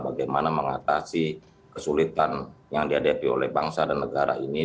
bagaimana mengatasi kesulitan yang dihadapi oleh bangsa dan negara ini